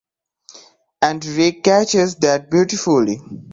And Rick catches that beautifully.